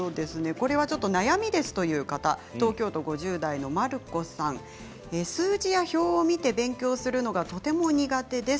これは悩みです、という方東京都５０代の方数字や表を見て勉強するのがとても苦手です。